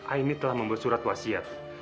aini telah membuat surat wasiat